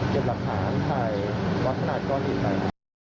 เก็บรักษาส่ายวัฒนากรอดอีกไป